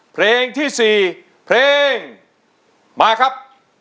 เพลงที่๔เพลงมาครับ